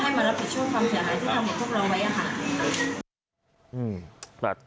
ไม่ให้มันรับผิดช่วงความเสี่ยงใหม่ที่ทำให้พวกเราไว้อ่ะค่ะ